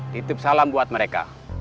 ditip salam buat mereka